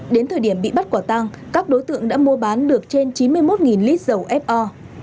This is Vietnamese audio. đến thời điểm bị bắt quả tăng các đối tượng đã mua bán được trên chín mươi một lít dầu fo